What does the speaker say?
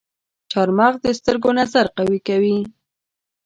چارمغز د سترګو نظر قوي کوي.